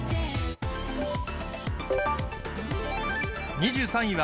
２３位は、